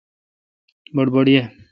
بڑبڑ یہ